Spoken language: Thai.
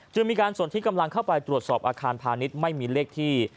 จึงมีการส่วนที่กำลังเข้าไปตรวจสอบอาคารพาณิชย์ไม่มีเลขที่